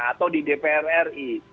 atau di dpr ri